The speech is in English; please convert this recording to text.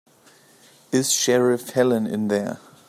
Is Sheriff Helen in there?